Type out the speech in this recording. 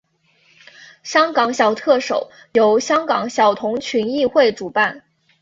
香港小特首由香港小童群益会主办。